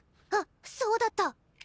あっそうだった！